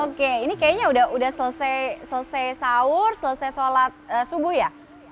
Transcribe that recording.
oke ini kayaknya udah selesai sahur selesai sholat subuh ya